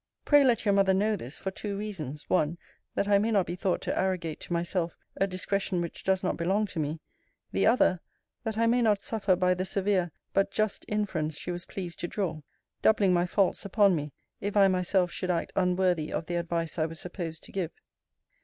Pray let your mother know this, for two reasons: one, that I may not be thought to arrogate to myself a discretion which does not belong to me; the other, that I may not suffer by the severe, but just inference she was pleased to draw; doubling my faults upon me, if I myself should act unworthy of the advice I was supposed to give.